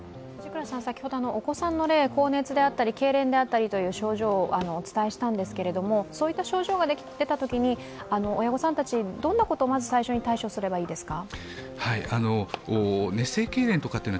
先ほどお子さんの例、高熱であったりけいれんであったりという症状をお伝えしたんですけれども、そういった症状が出たときに親御さんたち、どんなことをまず最初に対処すればいいですか。